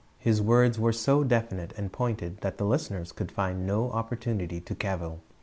His words were so definite and pointed that the listeners could find no opportunity to cavil.